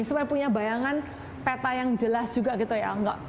supaya punya bayangan peta yang jelas juga gitu ya